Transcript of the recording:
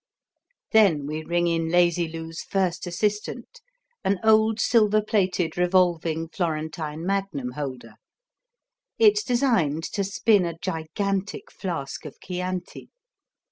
Then we ring in Lazy Lou's first assistant, an old, silver plated, revolving Florentine magnum holder. It's designed to spin a gigantic flask of Chianti.